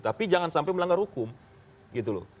tapi jangan sampai melanggar hukum gitu loh